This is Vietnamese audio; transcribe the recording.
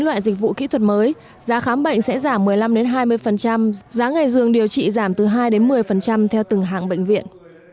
ngoài ra còn có chín dịch vụ kỹ thuật mới giá khám bệnh sẽ giảm một mươi năm hai mươi giá ngày dường điều chỉ giảm từ hai một mươi theo từng hạng bệnh viện